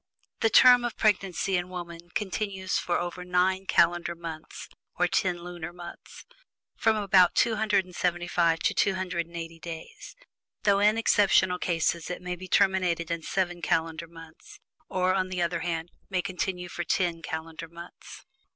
The term of pregnancy in woman continues for over nine calendar months (or ten lunar months) from about 275 to 280 days, though in exceptional cases it may be terminated in seven calendar months, or on the other hand may continue for ten calendar months.